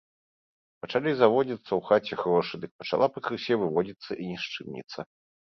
Пачалі заводзіцца ў хаце грошы, дык пачала пакрысе выводзіцца і нішчымніца.